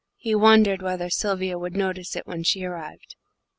He wondered whether Sylvia would notice it when she arrived.